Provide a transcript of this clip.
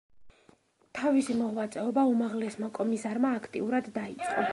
თავისი მოღვაწეობა უმაღლესმა კომისარმა აქტიურად დაიწყო.